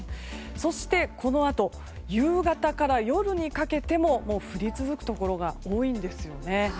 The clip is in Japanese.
そして、このあと夕方から夜にかけても降り続くところが多いんですよね。